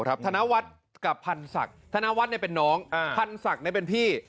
ธนวัฒน์กับพันธศักดิ์ธนวัฒน์เป็นน้องพันศักดิ์เป็นพี่